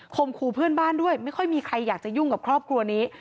มคูเพื่อนบ้านด้วยไม่ค่อยมีใครอยากจะยุ่งกับครอบครัวนี้